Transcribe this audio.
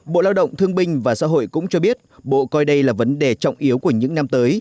bộ lao động thương binh và xã hội cũng cho biết bộ coi đây là vấn đề trọng yếu của những năm tới